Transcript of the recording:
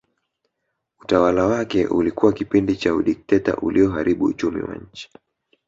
Utawala wake ulikuwa kipindi cha udikteta ulioharibu uchumi wa nchi